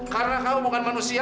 karena kamu bukan manusia